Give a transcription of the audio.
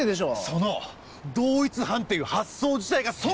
その同一犯っていう発想自体がそもそも。